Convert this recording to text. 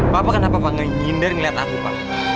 papa kenapa ngingin dari melihat aku pa